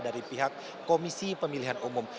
dari pihak komisi pemilihan umum